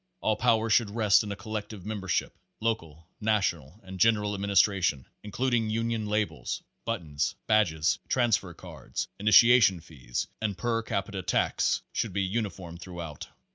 All power should rest in a collective membership. Local, national and general administration, includ ing union labels, buttons, badges, transfer cards, initia tion fees and per capita tax should be uniform through out.